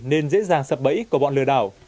nên dễ dàng sập bẫy của bọn lừa đảo